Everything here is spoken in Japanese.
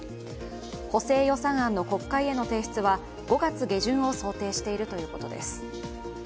補正予算案の国会への提出は５月下旬を想定しているということです。